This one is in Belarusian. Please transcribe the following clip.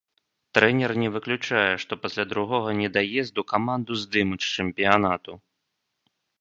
Трэнер не выключае, што пасля другога недаезду каманду здымуць з чэмпіянату.